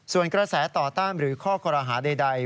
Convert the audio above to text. ส่วนกระแสต่อต้านหรือข้อกรหาใด